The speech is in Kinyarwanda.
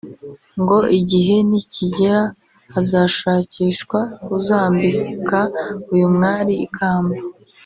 ngo igihe nikigera hazashakishwa uzambika uyu mwali ikamba